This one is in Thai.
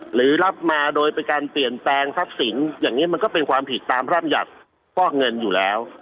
หรือรับมาโดยเป็นการเปลี่ยนแปลงทรัพย์สินอย่างนี้มันก็เป็นความผิดตามพร่ำยัติฟอกเงินอยู่แล้ว